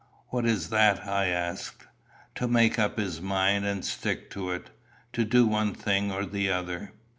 "What is that?" I asked. "To make up his mind, and stick to it. To do one thing or the other."